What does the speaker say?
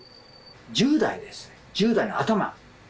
１０代ですよ、１０代の頭。